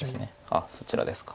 あっそちらですか。